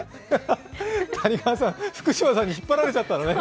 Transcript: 谷川さん、福島さんに引っ張られちゃったのね。